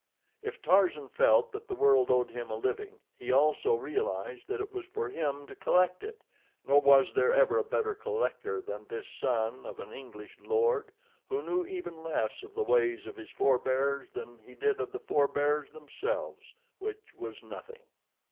If Tarzan felt that the world owed him a living he also realized that it was for him to collect it, nor was there ever a better collector than this son of an English lord, who knew even less of the ways of his forbears than he did of the forbears themselves, which was nothing.